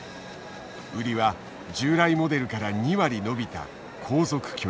売りは従来モデルから２割伸びた「航続距離」。